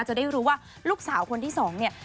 จะได้รู้ว่าลูกสาวคนที่สองเนี่ย